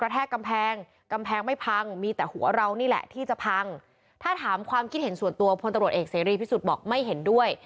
ที่เห็นส่วนตัวพลตรวจเอกเซลลี่พิสูจน์บอกไม่เห็นด้วย